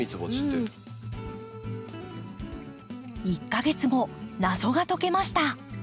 １か月後謎が解けました。